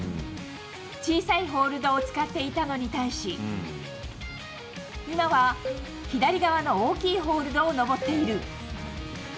小さいホールドを使っていたのに対し、今は左側の大きいホールドを登っている。